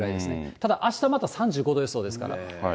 ただ、あしたまた３５度予想ですから。